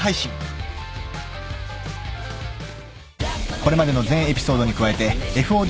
［これまでの全エピソードに加えてＦＯＤ